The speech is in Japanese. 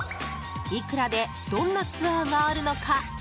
いくらでどんなツアーがあるのか？